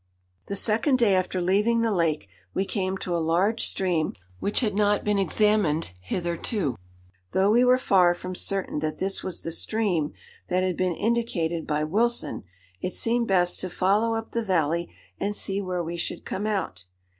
The second day after leaving the lake we came to a large stream which had not been examined hitherto. Though we were far from certain that this was the stream that had been indicated by Wilson, it seemed best to follow up the valley and see where we should come out.